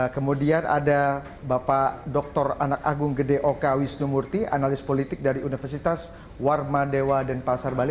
kemudian ada bapak doktor anak agung gede oka wisnu murti analisis politik universitas warma dema dan pasar bali